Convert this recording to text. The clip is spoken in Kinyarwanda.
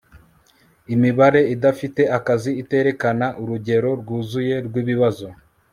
imibare idafite akazi 'iterekana urugero rwuzuye rw'ibibazo